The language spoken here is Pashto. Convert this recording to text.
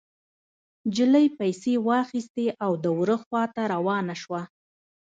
نجلۍ پيسې واخيستې او د وره خوا ته روانه شوه.